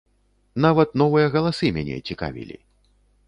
Нават новыя галасы мяне цікавілі.